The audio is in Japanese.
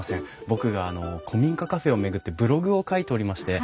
僕があの古民家カフェを巡ってブログを書いておりまして。